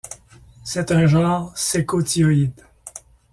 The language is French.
C'est un genre sécotioïde.